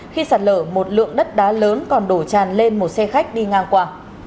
khi sạt lở một lượng đất đá lớn còn đổ tràn lên một xe khách đi ngang qua